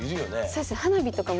そうですね。